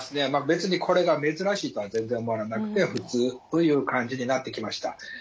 別にこれが珍しいとは全然思わなくて普通という感じになってきました。